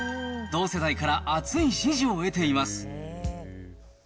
同世代から熱い支持を得ています。